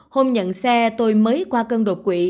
hôm nhận xe tôi mới qua cơn đột quỵ